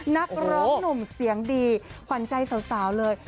นักร้องหนุ่มเสียงดีขวัญใจสาวเลย